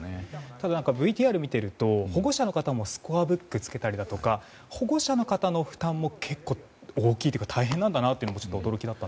ただ、ＶＴＲを見ていると保護者の方もスコアブックをつけたりだとか保護者の方の負担も結構大きいというか大変なんだと驚きでした。